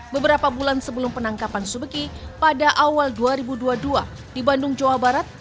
beberapa bulan sebelum penangkapan subeki pada awal dua ribu dua puluh dua di bandung jawa barat